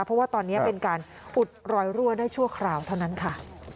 เพราะว่าตอนนี้เป็นการอุดรอยรั่วได้ชั่วคราวเท่านั้นค่ะ